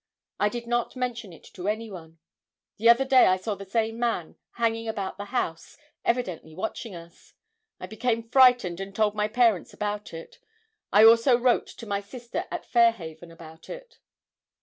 I did not mention it to any one. The other day I saw the same man hanging about the house, evidently watching us. I became frightened and told my parents about it. I also wrote to my sister at Fairhaven about it.